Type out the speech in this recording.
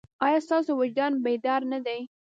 ایا ستاسو وجدان بیدار نه دی؟